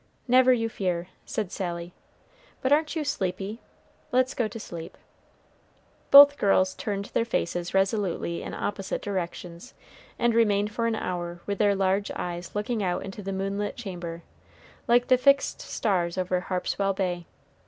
"Never you fear," said Sally; "but aren't you sleepy? let's go to sleep." Both girls turned their faces resolutely in opposite directions, and remained for an hour with their large eyes looking out into the moonlit chamber, like the fixed stars over Harpswell Bay.